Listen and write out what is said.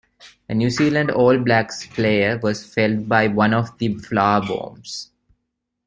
A New Zealand All Blacks player was felled by one of the flour bombs.